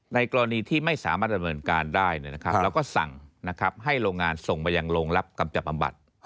ในกรณีที่ไม่สามารถดำเนินการได้เนี่ยนะครับเราก็สั่งนะครับให้โรงงานส่งไปยังโรงรับกำจับอำบัด